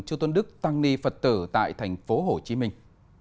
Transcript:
chư tôn đức tăng ni phật tử tại thành phố hồ chí minh